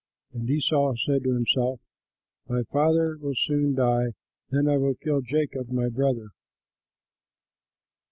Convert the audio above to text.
And Esau said to himself, "My father will soon die; then I will kill Jacob, my brother."